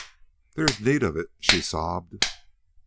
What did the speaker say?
"There is need of it," she sobbed.